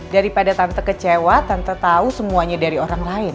daripada tante kecewa tante tau semuanya dari orang lain